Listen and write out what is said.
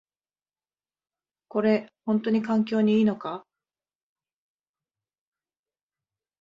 これ、ほんとに環境にいいのか？